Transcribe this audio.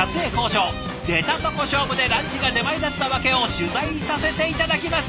出たとこ勝負でランチが出前だった訳を取材させて頂きます！